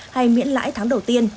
hay miễn lãi tháng đầu tiên